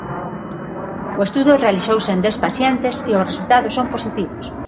O estudo realizouse en dez pacientes e os resultados son positivos.